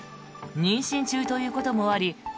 妊娠中ということもあり